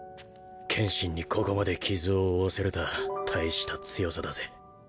剣心にここまで傷を負わせるたあ大した強さだぜ